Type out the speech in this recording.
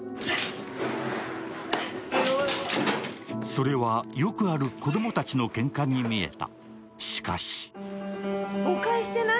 それは、よくある子供たちのけんかに見えた。